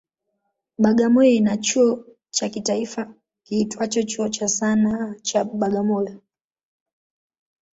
Bagamoyo ina chuo cha kitaifa kiitwacho Chuo cha Sanaa cha Bagamoyo.